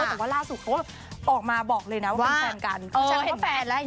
แต่ว่าร่าสุดเขาออกมาบอกเลยนะว่าเป็นแฟนกัน